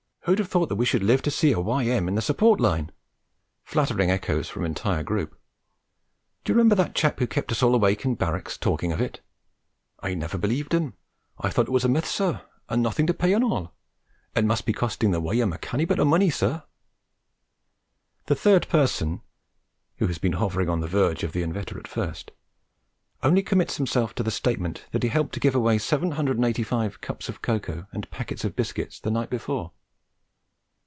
'Who'd have thought that we should live to see a Y.M. in the support line!' Flattering echoes from entire group. 'Do you remember that chap who kept us all awake in barracks, talking of it?' 'I nevaw believed him. I thought it was a myth, sir. And nothing to pay an' all! It must be costing the Y.M. a canny bit o' money, sir?' The third person who has been hovering on the verge of the inveterate first only commits himself to the statement that he helped to give away 785 cups of cocoa and packets of biscuits the night before.